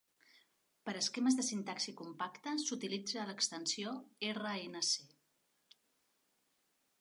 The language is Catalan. Per a esquemes de sintaxi compacta, s'utilitza l'extensió ".rnc".